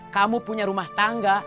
kamu punya rumah tangga